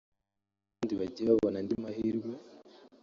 mu gihe abandi bagiye babona andi mahirwe